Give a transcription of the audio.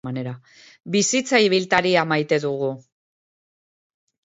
Bizitza ibiltaria maite dugu.